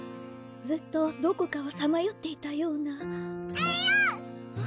ずっとどこかをさまよっていたような・えるぅ！